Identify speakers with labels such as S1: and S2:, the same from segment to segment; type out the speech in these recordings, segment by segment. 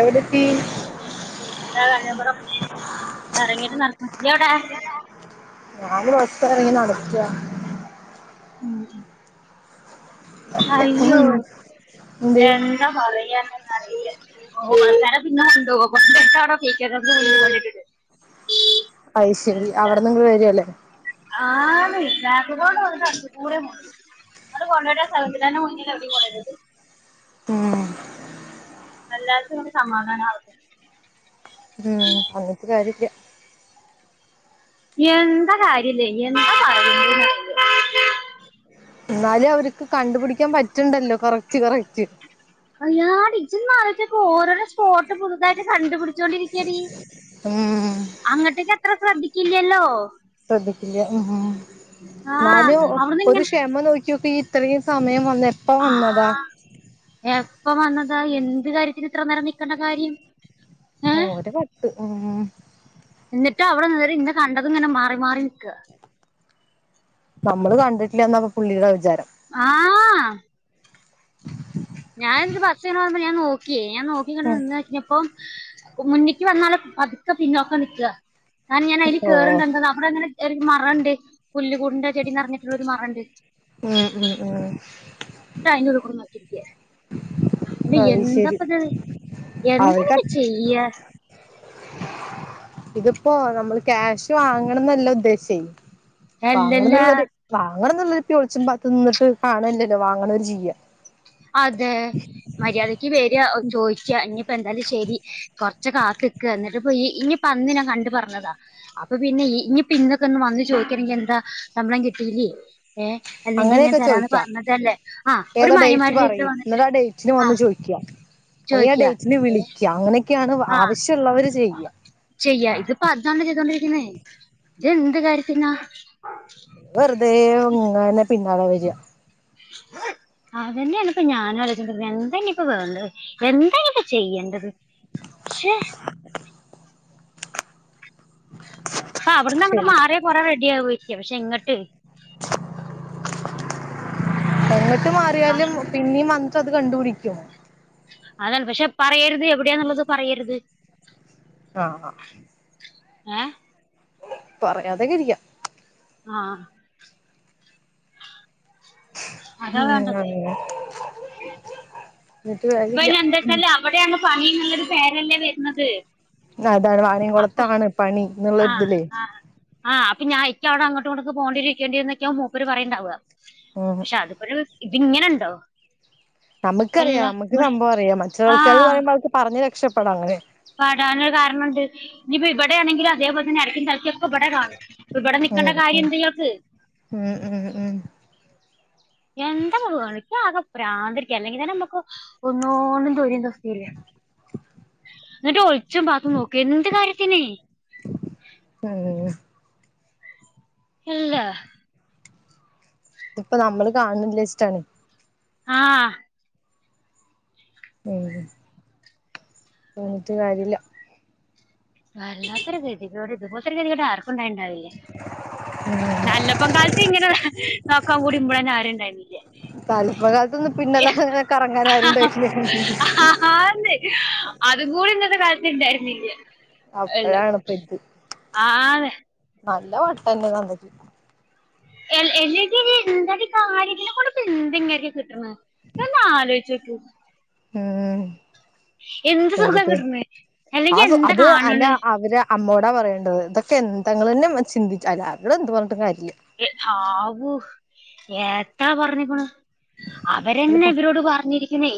S1: എവിടെത്തി
S2: ആഹ് കഞ്ഞമ്പുറം ഇറങ്ങിട്ട് നടക്കല്ല ഇയ് വടെ
S1: ഞാന വസറങ്ങി നടക്ക
S2: ഉം ഉ അയ്യോ
S1: എന്ത്
S2: എന്താ പറയാ [inaudible]
S1: ആയിശേരി അവിടെന്നങ്ങ വരുല്ലേ
S2: ആന്ന് ബാക്കി കൂടെ വന്ന് ഫ്രണ്ട് കൂടെ പോയി [inaudible]
S1: ഉം
S2: [unintelligible] സമാധാനം ആവട്ടെ
S1: ഉം പറഞ്ഞിട്ട് കാര്യമില്ല
S2: എന്താ കാര്യല്ലേ എന്താ പറയുന്ന
S1: എന്നാലും അവർക്ക് കണ്ടുപിടിക്കാൻ പറ്റ്ണ്ടല്ലോ കുറച്ച് കുറച്ച്
S2: അയ്യാടി ഓരോ രോ സ്പോട്ട് പുതുതായിട്ട് കണ്ടുപിടി ച്ചോണ്ടിരിക്കാടി
S1: ഉം
S2: അങ്ങോട്ടേക്ക അത്ര ശ്രദ്ധിക്കില്ലല്ലോ
S1: ശ്രദ്ധിക്കില്ല ഉം
S2: ആ
S1: ന്നാലും
S2: അവിടുന്ന്
S1: ഒരു
S2: ഇങ്ങനെ
S1: ക്ഷമ നോക്കി ഓക്കി ഈ ഇത്രീം സമയം വന്ന എ
S2: ആ എപ്പം വന്നതാ എന്ത് കാര്യത്തിന് ഇത്ര നേരം നിൽക്കണ്ട കാര്യം ഏ
S1: ഓര് വട്ട് ഉം
S2: എന്നിട്ട് അവിടെ നിന്നിട്ട് ഇന്നെ കണ്ടതും ഇങ്ങനെ മാറി മാറി നിൽക്കുക
S1: നമ്മള് കണ്ടിട്ടില്ല എന്നപ്പ പുള്ളിയുടെ വിചാരം
S2: ആഹ്
S1: ശ
S2: ഞാൻ ഇന്നട്ട്‌ ബസ്‌ വരുമ്പോ ഞാൻ നോക്കിയേ ഞാൻ നോക്കി ഇങ്ങട്ട്
S1: ഉം
S2: നിന്ന് തിരിഞ്ഞപ്പോം മുന്നിക്ക് വന്നാള് പതുക്കെ പിന്നോക്കം നിൽക്കുക കാരണം ഞാൻ അതിൽ
S1: ഓ
S2: കേയറണ്ട് എന്ത അവിടെ അങ്ങനെ ഒരു മറം ഉണ്ട് പുല്ല് കൂടിന്റെ ചെടിന്ന് മറിഞ്ഞിട്ടുള്ള ഒരു മറണ്ട്
S1: ഉം ഉം ഉം
S2: ങ്ങട്ട് അയിന്റെ ഉള്ളിൽ കൂടെ നോക്കി നിൽക്കാ അല്ല
S1: അത് ശരി
S2: എന്താപ്പത് എന്ത
S1: അവർക്ക്
S2: ഇപ്പ ചെയ്യ
S1: ഇതിപ്പോ നമ്മൾ ക്യാഷ് വാങ്ങണം എന്നല്ല ഉദ്ദേശെ വാങ്ങണം
S2: അല്ലല്ല
S1: എന്നുള്ള ഒരു വാങ്ങണം എന്നുള്ള ഒളിച്ചും പാത്തും നിന്നിട്ട് കാണ് അല്ലല്ലോ വാങ്ങണ ഓര് ചെയ്യാ
S2: അതെ മര്യാദക്ക് വരാചോദിച്ച ഇനിപ്പ എന്തായാലും ശരി കൊറച്ച കാത്ത്ക്ക എന്നിട്ട്പ്പൊ ഇനി പ്പ അന്ന് ഞാൻ കണ്ടു പറഞ്ഞതാ അപ്പൊ പിന്നെ ഇനിപ്പ ഇന്നൊക്കെ ഒന്ന് വന്നു ചോദിക്കാണെങ്കിൽ എന്താ ശമ്പളം കിട്ടിയില്ലേ ഏ അല്ലെങ്കി
S1: അങ്ങനെയൊക്കെ
S2: തരാന്ന് പറഞ്ഞിട്ടല്ലേ ആ ഒരു മാന്യമാരെ
S1: പറയും എന്നിട്ട ആ ഡേറ്റിന് വന്ന് ചോദിക്ക അല്ലെങ്കിൽ ആ
S2: ചോദിക്കുക
S1: ഡേറ്റില്
S2: ഏഹ്
S1: വിളിക്കാഅങ്ങനെയൊക്കെയാണ്
S2: ആഹ്
S1: ആവശ്യമുള്ളവര് ചെയ്യുക
S2: ചെയ്യാ ഇതിപ്പോ അതാണ്ട ചെയ്തോണ്ടിരിക്കുന്നേ ഇത്‌ എന്ത് കാര്യത്തിനാ
S1: വെറുതെ ഇങ്ങന്നെ പിന്നാളെ വരിക [inaudible]
S2: അതന്നെയാണ് ഇപ്പൊ ഞാനും ആലോചിച്ചോണ്ടേരിക്ക എന്തന്ന ഇപ്പ വേണ്ടത് എന്താണ് ഇപ്പൊ ചെയ്യേണ്ടത് ശേ
S1: ആ
S2: അ അവിടുന്ന് അങ്ങട്ട
S1: ശരി
S2: മാറിയേറേ റെഡിയാവോയിരിക്കും പക്ഷെ ഇങ്ങട്ട്
S1: എങ്ങട്ട് മാറിയാലും പിന്നിം വന്ന് ത്ത അത് കണ്ടുപിടിക്കും
S2: അതാണ് പക്ഷെ പറയരുത് എവിടെയാന്നുള്ളത് പറയരുത്
S1: ആഹ ആ
S2: ഏ
S1: പറയാതെക്കെ ഇരിക്കാം
S2: ആഹ് അതാ
S1: ഉം
S2: വേണ്ടത്
S1: അങ്ങനെ എന്നിട്ട്
S2: ഇപ്പ
S1: കാര്യല്ല
S2: അയ്നെ എന്താ
S1: ഉം
S2: വച്ചാല് അവിടെയാണ് പണി എന്നുള്ള ഒരു പേരല്ലേ വരുന്നത്
S1: അതാണ്
S2: അപ്പൊ
S1: വാരിംകുളത്താണ് പണി എന്നുള്ളൊരിതിലേ
S2: ആഹ് അപ്പൊ ഞാ ഇക്ക അവിടെ അങ്ങട്ട് ങ്ങട്ട്ക്ക് പോണ്ടിരിക്കേണ്ടിന്നൊക്കെ മുപ്പര് പറയണ്ടാവ
S1: ഉം
S2: പക്ഷെ അതുപോലെ ഇത് ഇങ്ങനെണ്ടോ
S1: നമുക്കറിയാം നമുക്ക് സംഭവം അറിയാം
S2: ആ
S1: മറ്റൊരാൾക്കാർ പറയ്മ്പോൾ അവൾക്ക് പറഞ്ഞ് രക്ഷപ്പെടണ്ടെ
S2: പാടാനൊരു കാരണണ്ട് ഇനിപ്പപ്പോ ഇവിടെയാണെങ്കിലും അതേപോലെ തന്നെ അയ്ക്കും തിരക്കൊക്കെ ഇവിടെ കാണും ഇവിടെ
S1: ഉം
S2: നിക്കേണ്ട
S1: ഉം
S2: കാര്യം എന്ത യാൾക്ക്
S1: ഉം ഉം ഉം
S2: എന്താ എനിക്ക് ആകെ പ്രരാന്തിടിക്ക അല്ലെങ്കി തന്നെ നമുക്ക് ഒന്നോന്നും തൊഴിരം കെടുത്തല്ലേ എന്നിട്ട് ഒളിച്ചം പാത്തു നോക്ക എന്ത് കാര്യത്തിന്
S1: ആഹ്
S2: ഇല്ല
S1: ഇതിപ്പ നമ്മള് കാണില്ലച്ച്ടാണ്
S2: ആഹ്
S1: ഉം അഹ് ഇന്നിട്ട് കാര്യല്ല
S2: വല്ലാത്ത ഒരു ഗതി ട്ടോ ഇതുപോലത്തെ ഒരു ഗതികേട് ആരുക്കുണ്ടാവില്ല
S1: ആ
S2: നല്ലപ്പം കാലത്ത് ഇങ്ങനെ നോക്കാൻ കൂടി ഇപഴന്നെ ആരുംണ്ടായിരുന്നില്ലേ
S1: തല്പ്കാലത്തൊന്നും പിന്നെല്ലാം അങ്ങന കറങ്ങാനൻ ആരുണ്ടായിട്ടില്ല
S2: ആന്ന് അതും കൂടി ഇന്നത്തെ കാലത്ത് ഇണ്ടായിരുന്നില്ല അല്ല
S1: അപ്പഴാണ് ഇപ്പ ഇത്
S2: ആന്ന്
S1: നല്ല മട്ടം തന്നെ
S2: [unintelligible] എന്ത കാര്യത്തിന ഇപ്പ എന്താ ഇങ്ങൾക്ക് കിട്ടണെ ഇജ് ഒന്ന് ആലോചിച്ചു നോക്ക്
S1: ഉം
S2: എന്ത് സുഖാ
S1: വെറുതെ
S2: കിട്ടണ് അല്ലെങ്കി എന്താ
S1: അത്
S2: കാണണ്
S1: അന്റെ അവര് അമ്മോടാ പറയണ്ടത് ഇതൊക്കെ എന്ത നിങ്ങളന്നെ ചിന്തിച്ച ആരോടും എന്ത് പറഞ്ഞിട്ടും കാര്യല്ല
S2: ആവു എത്രാ പറഞ്ഞിക്കണ് അവരെന്നെ ഇവരോട് പറഞ്ഞിരിക്കുന്നേ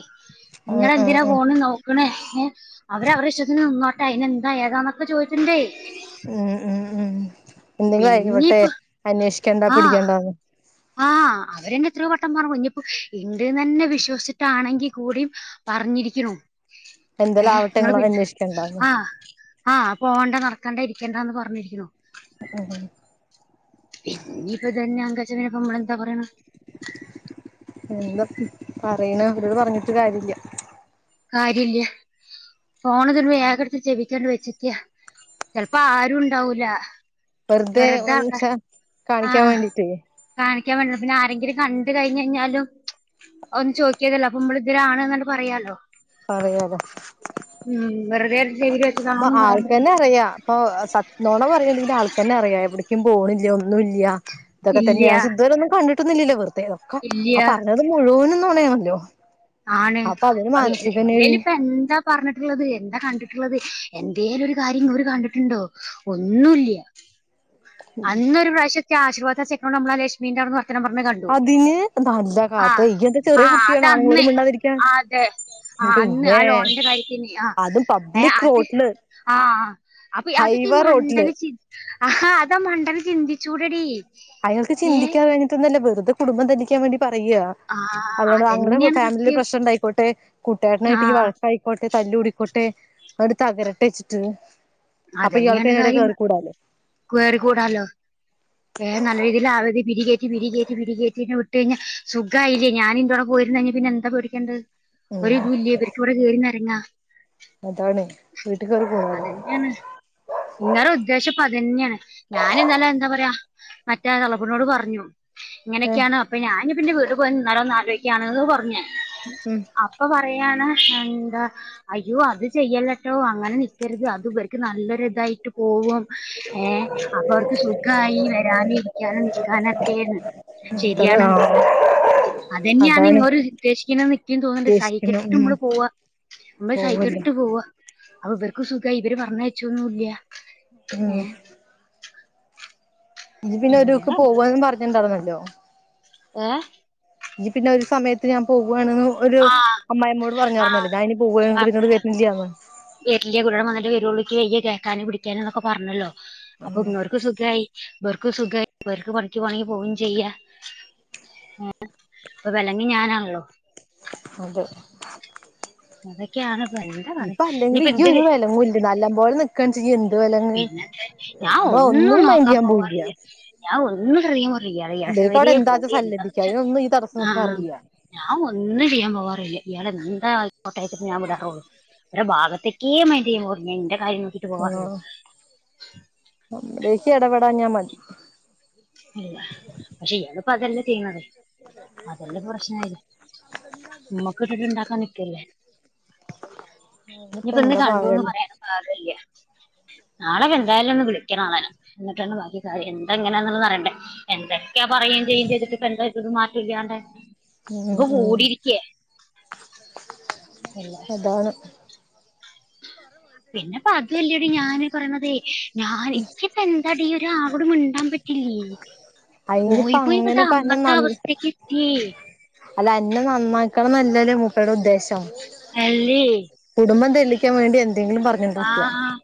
S2: നിങ്ങൾ
S1: ഉം ഉം
S2: എന്തിനാ
S1: ഉം
S2: പോണനോ [unintelligible] ഏഹ് അവര് അവടെ ഇഷ്ടത്തിന് നിന്നോട്ടാ അതിന് എന്താ ഏതാന്നൊക്കെ ചോദിക്ക്ണ്ടേ
S1: ഉം ഉം ഉം എന്തെങ്കിലും ആയികോട്ടെ
S2: പിന്നീപ്പ
S1: അന്വേഷിക്കേണ്ടോ പിടിക്കേണ്ടോ
S2: ആഹ് അവരന്നെ എത്രയോ വട്ടം പറഞ്ക്കണ് ഇനിപ്പോ ഉണ്ട്ന്ന് തന്നെ വിശ്വസട്ടാണെങ്കിൽ കൂടിയും പറഞ്ഞിരിക്ക്ണു
S1: എന്തേലും
S2: എഹ്
S1: ആവട്ടെ
S2: നിങ്ങള്
S1: ഇങ്ങള്
S2: പിന്നെ
S1: അന്വേഷിക്കണ്ടാന്ന്
S2: ആഹ് ആഹ് പോകണ്ട നടക്കണ്ടേ ഇരിക്കണ്ട എന്ന് പറഞ്ഞിരിക്കുന്നു
S1: ഉം
S2: പിന്നിം ഇപ്പ ഇതന്നെച്ച നമ്മളെന്താ പറയണു
S1: എന്താ പറയണ അവരോട് പറഞ്ഞിട്ട് കാര്യല്ല
S2: കാര്യല്ല ഫോൺ വേഗം ഏകടുത്ത് ചെവിക്ക വെച്ചക്ക ചെൽപ്പോ ആരും ഇണ്ടാവൂല
S1: വെറുതെ ഒന്ന് ച്ച
S2: ആ
S1: കാണിക്കാൻ വേണ്ടീട്ടേ
S2: കാണിക്കാൻ വേണ്ടി പിന്നെ ആരെങ്കിലും കണ്ട് കഴിഞ്ഞ് കഴിഞ്ഞാലും ഒന്നും ചോദിക്കലില്ല അപ്പൊ നമ്മള ഇതരാണ് എന്നട്ട് പറയാലോ
S1: പറയാല്ലോ
S2: ഉം വെറുതെ ചെവിൽ
S1: അപ്പൊ
S2: വെച്ചതാണോന്നും പറയാൻ
S1: ആൾക്കന്നെ
S2: പറ്റില്ല
S1: അറിയാ അപ്പൊ സ നൊണ പറയണെങ്കിൽ ആൾക്കന്നെ അറിയാം എവിടേക്കും പോണില്ല ഒന്നും ഇല്ല ഇതൊക്കെ തന്നെ
S2: ഇല്ല്യ
S1: പക്ഷെ ഇതുവരെ ഒന്നും കണ്ടിട്ടില്ലല്ലോ വെറുതെ തക്കെ
S2: ഇല്ല്യ
S1: ആ പറ ഞ്ഞത് മുഴുവനും നൊണയാണല്ലോ
S2: ആണ് എല്ലേലും ഇപ്പ എന്താ അല്ലേലും പറഞ്ഞിട്ടുള്ളത് എന്താ കണ്ടിട്ടുള്ളത് എന്തേലും ഒരു കാര്യം ഇര് കണ്ടിട്ടുണ്ടോ ഒന്നുമല്ല അന്നൊ പ്രാവശ്യത്തെ ആശീർവാദ ചെക്കൻ നമ്മളെ ലക്ഷ്മീന്റെ അവിടെന്ന് ഉത്തരം പർഞെ കണ്ടു
S1: അതിന് നല്ല കാത്ത
S2: ആഹ്
S1: ഇയ്യ് എന്താ ചെറിയ
S2: ആഹ്
S1: കുട്ടിയാണോ ആണുങ്ങളോട്
S2: അതന്ന്
S1: മിണ്ടാതിരിക്കാൻ
S2: അതേ ആഹ് അന്ന് ആ
S1: പിന്നെ
S2: ലോണ്ന്റെ കാര്യത്തിന് ആഹ്
S1: അതും
S2: ഏഹ്
S1: പബ്ലിക്
S2: അത്
S1: റോഡില്
S2: ആഹ് അപ് അത്ക്കെ ഈ
S1: ഹൈവേ റോഡില്
S2: മണ്ടന് ചി അഹാ അതാ മണ്ടന് ചിന്തിച്ചൂടെടീ
S1: അയാൾക്ക് ചിന്തിക്കാൻ വേണ്ടിട്ടൊന്നുല്ല വെറുതെ കുടുബം തെറ്റിക്കാൻ വേണ്ടി പറയ്ആ
S2: ആ
S1: അല്ലാണ്ട് അങ്ങനെ
S2: അതന്നെയാണ്
S1: ഫാമിലി
S2: സത്യം
S1: പ്രശ്നംണ്ടായിക്കോട്ടെ
S2: ആ
S1: കൂട്ടുകാരനായിട്ട് ഈ വഴക്കായി ക്കോട്ടെ തല്ലൂടിക്കോട്ടെ ആവര് തകരട്ടെ എച്ചിട്ട് അപ്പ ഇയാൾക്ക്
S2: അതന്നെയാണ്
S1: അയ്നെടെ
S2: കാര്യം
S1: കേറിക്കൂടാലൊ
S2: കേറിക്കൂടാലോ വേം ന്നല്ല രീതിൽ ആവര്ത് പിരികേറ്റി പിരികേറ്റി പിരികേറ്റി നെ വിട്ട് കഴിഞ്ഞാ സുഖായീല്ലെ ഞാനിൻ്റൊടും പോയിര്ന്നെങ്കി പിന്നെ എന്താ പേടിക്കണ്ടത്
S1: ഉം
S2: ഒരു തും ഇല്ല്യേ ഇവർക്കിവിടെ കേറി ന്നെരങ്ങാ
S1: അതാണ് വീട്ട്കേറി പോകാലോ
S2: ഇങ്ങേരെ ഉദ്ദേശം പ്പം അതന്ന്യാണ് ഞാന് ന്നലെ എന്താ പറയാ മറ്റേ ആ എളപ്പിനോട് പറഞ്ഞു
S1: ഏഹ്
S2: ഇങ്ങനൊക്കെയാണ് അപ്പ ഞാൻപ്പ ന്റെ വീട്ട് പോയി നിന്നാലോ ന്ന് ആലോയ്ക്കാണ്ന്ന് പറഞ്ഞ്
S1: മ്
S2: അപ്പ പറയാണ് എന്താ അയ്യോ അത് ചെയ്യല്ലട്ടോ അങ്ങനെ നി ക്കര്ത് അത് വര്ക്ക് നല്ലൊരു തായിട്ട് പോവും ഏ അപ്പൊ അവർക്ക് സുഖായി വെരാന് ക്യാനും ന്നിക്കാനൊക്കേന്ന്
S1: ഇത്തര ആഹ്
S2: അതെന്ന്യാണ്
S1: അതാണ്
S2: ഇങ്ങേര് രു ദ്ദേേഷിക്ക്ണെന്ന് ഇക്കും തോന്ന്ണ്ട്
S1: ഉദ്ദേശിക്കുന്നു
S2: സഹിക്കെട്ട്
S1: ഉം
S2: മ്മള് പോവാ മ്മള്
S1: പോവല്ലേ
S2: സഹിക്കെട്ട് പോവാ അപ്പ ഇബർക്കും സുഖായി ഇബര് പറഞ്ഞയ്ച്ചൂന്നും ല്യാ
S1: ആഹ് ഇജ് പിന്നെ ഒരൂക്ക്
S2: എന്താ
S1: പോവാന്നും പർഞ്ഞിണ്ടാര്ന്നല്ലോ
S2: ഏഹ്
S1: ഇജ് പിന്നെ ഒരു സമയത്ത് ഞാ പോവ്ആണ്ന്ന് ഒരു
S2: ആ
S1: അമ്മായിമ്മോട് പർഞ്ഞാര്ന്നല്ലോ ഞാന് ഇനി പോവ്ആഞാൻങട്ട് പിന്നേട് വെർ ന്നില്ല്യാന്ന്
S2: വെര്ല്ല്യാ കുട്ടിഏട്ടം വന്ന്ട്ടെ വെരുഒള്ളൂ ക്കി വെയ്യ കേക്കാനും പിടിക്കാനും ന്നൊക്കെ പർഞ്ഞല്ലോ അപ്പം ഇങ്ങോര്ക്ക് സുഖായി വർക്കും സുഖായി ഇവർക്ക് പണിക്ക് പോണങ്കി പോഉം ചെയ്യാം [unintelligible] പ്പ വെലങ് ഞാനാണല്ലോ
S1: അതെ
S2: അതൊക്കെയാണ് പ്പംഎന്താ പറി ന്നി പ്പം എന്ത്ന്
S1: നല്ലം പോലെ നിക്കേംചെയ്യും എൻ
S2: ഞാൻ ഒന്നും
S1: മൈൻഡ്
S2: ന്നോക്കാൻ
S1: ചെയ്യാൻ
S2: പോവാറി
S1: പോയില്ല
S2: ല്ല ഞാൻ ഒന്ന് ശ്രദ്ദിക്കുബോ ഇയാളെ
S1: ഇവർക്ക്
S2: ഏഷണെവെരി
S1: അവിടെ എന്താച്ച
S2: പോവേ
S1: സല്ലപിക്ക
S2: എന്താണെച്ചാ
S1: അതിനൊന്നും ഈ തടസ്സം നിക്കാറില്ല
S2: ഞാൻ ഒന്നും ചെയ്യാൻ പോവാറില്ല ഇയാള് എന്താ ആയ്ക്കോട്ടേച്ട്ട് ഞാ വിടാറെ ഒള്ളൂ രെ ഭാഗത്തേക്കെ മൈന്റെയ്യാൻ പോവെല്ല ഞാ ൻ്റെ കാര്യം നോക്കി
S1: ആഹ് ഉപദേഷി എടപെടാഞ്ഞാ മതി
S2: എല്ല പക്ഷെ ഇയാള് പ്പം അതല്ലെ ചെയ്യ്ണത് അതെല്ലെ പ്പം പ്രശ്നായത് മ്മക്ക്ട്ടിട്ട് ണ്ടാക്കാൻ നിക്കേല്ലേ
S1: അതിനിപ്പ
S2: ഇഞ്ഞിപ്പ ന്ന്
S1: എന്താ
S2: കണ്ടൂന്ന്
S1: പാകല്ലേ
S2: പറയാനും പാകെല്ല്യ ന്നാളെകെന്തായാലും ഒന്ന് വിളിക്കണം ആളെ ന്നിട്ടാണ് ബാക്കി കാര്യം എന്താങ്ങനെന്നുള്ള അറിയ- എന്തൊക്കെ പറയും ചെയ്യും ചെയ്തിട്ട് പ്പ എന്തായിത് മാറ്റല്ല്യാ ണ്ടെ
S1: മ് മ്
S2: ഇല്ല
S1: അതാണ്
S2: പിന്നെപ്പ അതുല്ലെടി ഞാനീ പ്പ റിണതെ ഞാൻ ഇക്കിപ്പെന്താടീ ഒരാളോട് മിണ്ടാൻ പറ്റില്ലേ
S1: അയിനിപ്പ
S2: പോയി പോയി
S1: അങ്ങനെ
S2: പ്പാതാ
S1: പറഞ്ഞ
S2: അന്നത്ത
S1: നന്ന
S2: അവസ്ഥക്ക് എത്തിഏ
S1: അല്ല അന്നെ നന്നാക്കണം ന്നല്ലല്ലോ മൂപ്പരുടെ ഉദ്ദേശം
S2: അല്ലേ
S1: കുടുംബം തല്ലിക്കാൻ വേണ്ടി എന്തെ ങ്കിലും പറി
S2: ആഹ്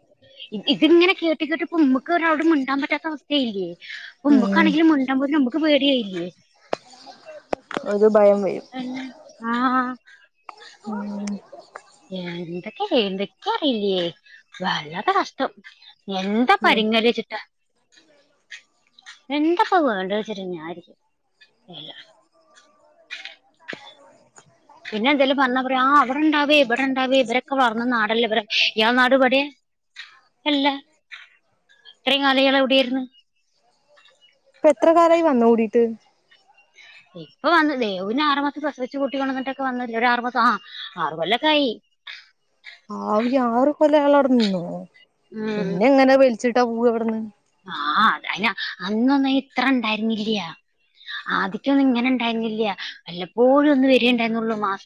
S2: ഇതിങ്ങനെ കേട്ട് കേട്ട് പ്പ മ്മക്ക് ഒരാളോട് മിണ്ടാൻ പറ്റാത്ത അവസ്ഥായില്ലേ.
S1: ഉം
S2: മ്മക്കാണെങ്കിലും മിണ്ടാൻ പോലും മുക്ക് പേടിയായില്ലേ.
S1: ഒരു ഭയം വയും.
S2: അന്നെ ആഹ്.
S1: ഊമ്മ്.
S2: എന്തൊക്കെയെന്തൊക്കെ റിയില്ലേ വല്ലാത്ത കഷ്ടം എൻ. ആ
S1: ഏ
S2: പര്ങ്ങല്ച് ട്ട. എന്താപ്പ വേണ്ട്ച്ചിട്ട ഞായിരിക്ണേ. എല പിന്നെ എന്തേലും പറഞ്ഞ. ആ അവടെണ്ടാവേ ഇബടെണ്ടാവേ ഇവരൊക്കെ വളർന്ന നാടല്ലെ ഇവരെ ഇയാള നാട്ബ്ടേ. ഹല്ല ഇത്രയും കാലം ഇയാളെവിടെ രുന്നു.
S1: പ്പൊ എത്ര കാലായി വന്നു കൂടിയിട്ട്.
S2: ഇക്ക് ഇപ്പൊ വന്ന് ദേവുന് ആറുമാസം പ്രസവിച്ച് കൂട്ടി കൊണ്ടന്നിട്ടൊക്കെ വന്നല്ലേ ഒരു ആറുമാസംആ ആറ് കൊല്ലൊക്കായി.
S1: ആവിലി ആറ് കൊല്ലയാളവിടെ നിന്നോ പിന്നെ എങ്ങനെ വലിച്ചിട്ടാ പോവ ഇവിടുന്ന്.
S2: ആഹ്അ അതയ്ന് അന്നൊന്നും ഇത്ര ണ്ടായിരുന്നില്ല്യ. ആദ്യക്കൊന്നും ഇങ്ങനെ ണ്ടായിരുന്നില്ല വല്ലപ്പോഴും ഒന്ന് വരിണ്ടായിരുന്നുള്ളൂ മാസ്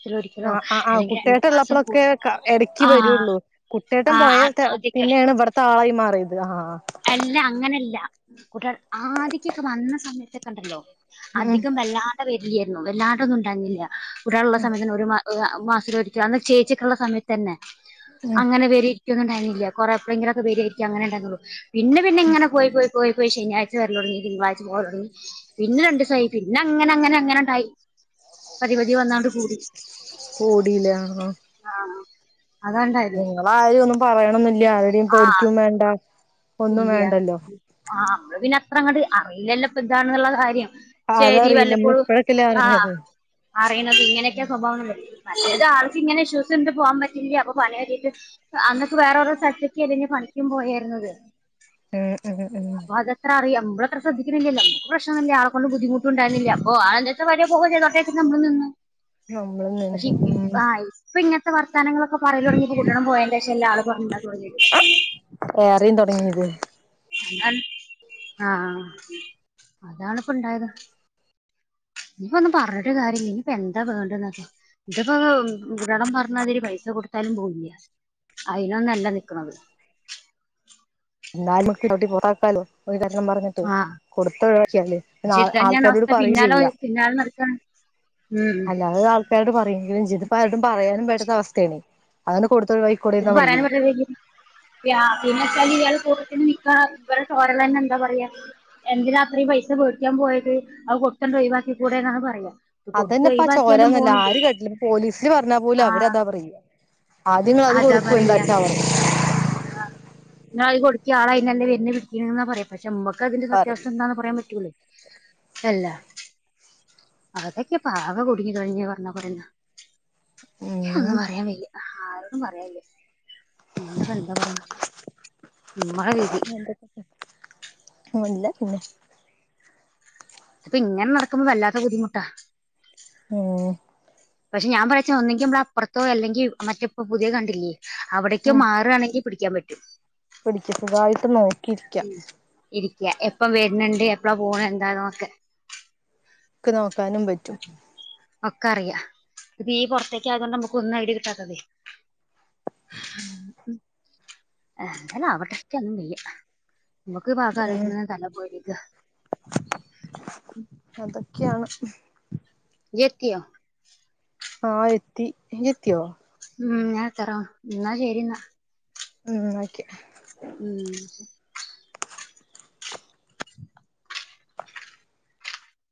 S1: ആ ആ ആ കുട്ടേട്ടൻ ള്ളപ്പളക്കെ ക ഇടക്ക്
S2: ആ
S1: വരുള്ളൂ കുട്ടേട്ടം
S2: ആ
S1: പോയ.
S2: ആ-
S1: ത്തെ
S2: ആദ്യൊക്കെ
S1: പിന്നേണ് ഇവിടത്തെ ആളായി മാറിയത് ആഹ്. ഹാ
S2: അല്ല അങ്ങനെയല്ല കുട്ടേ ആദ്യക്കൊക്കെ വന്ന സമയത്തൊക്കെണ്ടല്ലോ.
S1: ഉം
S2: അധികം വല്ലാണ്ട വരില്ലായിരുന്നു വല്ലാണ്ട ന്നുണ്ടാനില്ല. കുട്ടേട്ടന്ള്ള സമയത്തന്നെ ഒരു മാ [inaudible] മാസത്തിലൊരിക്കെ അന്ന് ചേച്ചിക്കള്ള സമയത്ത്. തന്നെ
S1: ഉം
S2: അങ്ങനെ വരിയിരിക്കൊന്ന ണ്ടായിരുന്നില്ല കൊറെപ്പളെ ങ്കിലൊക്കെ വരിയിരിക്ക അങ്ങനെണ്ടായിരുന്നുള്ളു. പിന്നെ പിന്നെ ങ്ങനെ പോയി പോയി പോയി പോയി ശനിയാഴ്ച വരലൊടങ്ങി തിങ്കളാഴ്ച്ചീ പോകലൊടങ്ങി. പിന്നെ രണ്ടിസായി പിന്നെ അങ്ങനെ അങ്ങനെ അങ്ങനെണ്ടായി. പതിവതി വന്നാണ്ട് കൂടി.
S1: കൂടിലേ ആഹ് ആഹ്
S2: ആഹ്ആ അതാണ്ടായത്.
S1: ആരും ഒന്നും പറയണൊന്നില്ല അവരേയും
S2: ആ
S1: പേടിക്കും വേണ്ട. ഒന്നും
S2: ഇല്ല്യ.
S1: വേണ്ടല്ലോ
S2: ആ അന്ന് പിന്നെ അത്രങ്ങട്ട് അറിയില്ലല്ലോപ്പ താണെന്നുള്ള കാര്യം. ശരി
S1: അതറിയില്ല നമ്മള്
S2: വല്ലപ്പോഴും
S1: ഇപ്പഴൊക്കെല്ലേ
S2: ആ
S1: അറിഞ്ഞത്
S2: അറീണത് ഇങ്ങനെയൊക്കെ സ്വഭാവന്ന്ള്ളത്. മറ്റേത് ആൾക് ഇങ്ങനെ ഇഷ്യൂസ് ണ്ട് പോവാൻ പറ്റില്ല അപ്പൊ പണി റീ ട്ട്. അന്നൊക്കെ വേറോരോ സ്ഥലത്ത് ക്ക ല്ലെഞ്ഞൊ പണിക്കും പോയാർന്നത്.
S1: ഉം ഉ ഉംഊ
S2: അതത്ര അറിയാം മ്മളത്ര ശ്രദ്ധിക്കുന്നില്ലല്ലോ നമക്ക് പ്രശ്നൊനില്ല ആളെക്കൊണ്ട് ബുദ്ധിമുട്ടുണ്ടാരുന്നില്ല അപ്പോ. ആളെന്ത്‌ [unintelligible] വര്വെ പോകേ ചെയ്തോട്ടേച് നമ്മളും നിന്നു.
S1: നമ്മള്
S2: പക്ഷെ ഇപ്പ് ഇ
S1: ഉം
S2: ആ ഇപ്പൊ ഇങ്ങനത്തെ വർത്താനങ്ങളൊക്ക്‌. [unintelligible] പറയലൊടങ്ങിപ്പൊ കുട്ടേട്ടം പോയേന്റ ശേഷല്ലെ ആള് കുറഞ്ഞ തുടങ്ങിയത്.
S1: ഏറെയും തുടങ്ങിയത്
S2: [unintelligible] അ ആഹ് അതാ ണിപ്പൊണ്ടായത്. ഇനിപ്പോ ഒന്നുംപറഞ്ഞിട്ട് കാര്യല്ല ഇനിപ്പഎന്താ വേണ്ടൂന്നൊക്കെ. ഇത്പ്പോ കുട്ടേട്ടം പറഞ്ഞ മാതിരി പൈസ കൊടുത്താലും പോവില്ലേ. അയിനൊന്നല്ല നിക്ക്ണത്.
S1: ന്നാലും ചവിട്ടി പുറത്താക്കാലോ ഒരു കാരണം പറഞ്. ഉം
S2: ആഹ്
S1: കൊടുത്തൊഴിവാക്ക്യാല്
S2: പക്ഷെ
S1: ന്ന
S2: ഇത് തന്നെയാണ്
S1: ആൾക്കാരോട്
S2: അവസ്ഥ
S1: പറയും ചെയ്യാ.
S2: ഉം ഉം
S1: അത് ആൾക്കാരോട് പറയങ്കിലും ചെയ്തു പ്പാരോടും പറയാനും പറ്റാത്ത അവസ്ഥാണേയ് അതണ് കൊടുത്തൊഴിവായി.
S2: ഇതിന് പറയാനും പറ്റൂലെങ്കി. പിയാ പിന്നെച്ചാല് ഇയാള് കൂട്ടത്തിന് നിക്കാണ ഇവരെ ചോരലന്നെ എന്താ പറയാ. എന്തിനാ അത്രയും പൈസ വേടിക്കാൻ പോയത് അത് കൊട്ത്തണ്ടൊ ഴിവാക്കികൂടെന്നാണ് പറയാ. ഇത് കൊടുത്ത്
S1: അതന്നെപ്പ ആ
S2: ഒഴിവാക്കിയാലും
S1: ചോരന്നല്ല ആര്
S2: പോണില്ലല്ലോ
S1: കേട്ടില്ല [unintelligible] പോലീസില് പറഞ്ഞാ പോലും
S2: ആഹ്
S1: അവരതാ പറയ.
S2: അതാ പറയാ ആ ന്നത്കൊടുക്കി ആളയിനല്ലെ വര്ണെ. ണ് ന്ന പറയാ പക്ഷെ മ്മക്ക് അതിന്റെ സത്യാവസ്ഥ
S1: പറയും
S2: എന്താന്ന് പറയാ പറ്റൂലല്ലോ. ഹെല്ലാ അതൊക്കെ പാക കുടുങ്ങി കഴിഞ്ഞെ പറഞ്ഞാപറേന്നതാ ഇക്കൊന്നും പറയാൻ വയ്യ ന്നും പറയാല്ലേ ഇന്നിട്ട് എന്താ പറയണ് മമ്മള വിധി
S1: [inaudible]
S2: അപ്പൊ ഇങ്ങെ നടക്കുമ്പോ വല്ലാത്ത ബദ്ധിമുട്ടാ
S1: ഏഹ്
S2: പക്ഷെ ഞാൻ പറിച്ച ഒന്നെങ്ക നമ്മള അപ്പുറത്തോ അല്ലെങ്കിൽ മറ്റപ്പപ്പോ പുതിയ കണ്ടില്ലേ അവിടേക്കും
S1: ഉം
S2: മാറുവാണെങ്കി പിടിക്കാൻ പറ്റും
S1: മസുഖായിട്ട് നോക്കിയിരിക്കാ
S2: ഇരിക്ക്യ എപ്പം വര്ണണ്ട് എപ്പഴാ പോണ എന്താണൊക്കെ
S1: ഒക്ക് നോക്കാനും പറ്റും
S2: ഒക്കെറിയാ ഇപ്പ ഈ പുൊറത്തേക്ക ആയത കൊണ്ട് നമ്മുക്ക് ഒന്ന് ഐഡിയ കിട്ടാത്തതെ എന്തായാലും ഇയ്ക്കൊന്നും വെയ്യ നമുക്ക് പാസ
S1: ഉം
S2: ആരോിക്കുമ തല പോയിക്ക
S1: അതൊക്കെയാണ്
S2: ഇയ്യെത്തിയോ
S1: ആഹ് എത്തി ഇയ്യ് എത്തിയോ
S2: ഉം ഞാൻത്രരാോ എന്നാ ശരിന്നാ
S1: ഉം ഓക്കെ
S2: [inaudible]